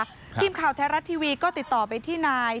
ทีมข่าวไทยรัฐทีวีก็ติดต่อไปที่นาย